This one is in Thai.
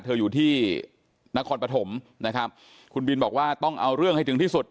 อยู่ที่นครปฐมนะครับคุณบินบอกว่าต้องเอาเรื่องให้ถึงที่สุด